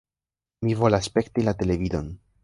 "Mi volas spekti la televidon!"